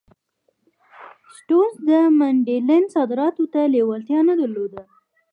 سټیونز د منډلینډ صادراتو ته لېوالتیا نه درلوده.